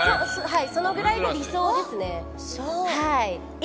はいそのぐらいが理想ですね。